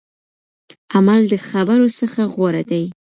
عمل د خبرو څخه غوره دی.